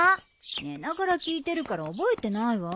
寝ながら聞いてるから覚えてないわ。